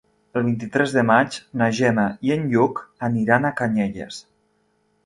El vint-i-tres de maig na Gemma i en Lluc aniran a Canyelles.